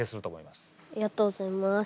ありがとうございます。